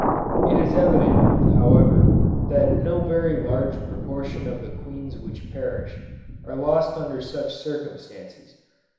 It is evident, however, that no very large proportion of the queens which perish, are lost under such circumstances.